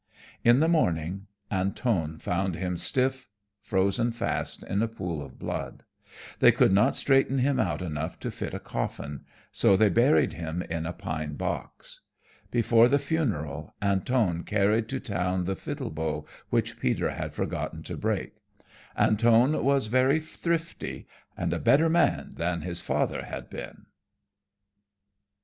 In the morning Antone found him stiff, frozen fast in a pool of blood. They could not straighten him out enough to fit a coffin, so they buried him in a pine box. Before the funeral Antone carried to town the fiddle bow which Peter had forgotten to break. Antone was very thrifty, and a better man than his father had been.